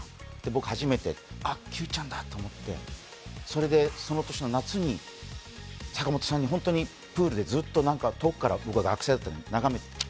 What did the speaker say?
僕、初めてあ、九ちゃんだって思ってそれでその年の夏に坂本さんにプールでずっと遠くから僕は学生だったんだけど眺めてて。